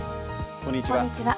こんにちは。